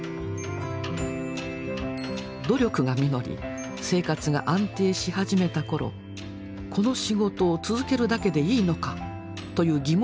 努力が実り生活が安定し始めた頃この仕事を続けるだけでいいのかという疑問が湧いてきます。